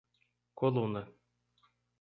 Coluna